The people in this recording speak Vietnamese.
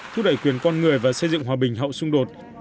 thúc đẩy quyền con người và xây dựng hòa bình hậu xung đột